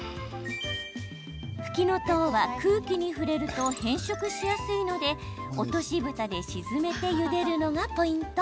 ふきのとうは空気に触れると変色しやすいので落としぶたで沈めてゆでるのがポイント。